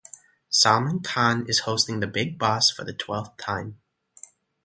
Salman Khan is hosting Bigg Boss for the twelfth time.